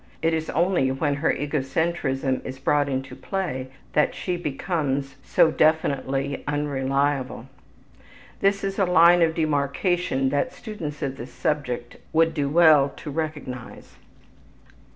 It is only when her egocentrism is brought into play that she becomes so definitely unreliable. This is a line of demarcation that students of this subject would do well to recognize.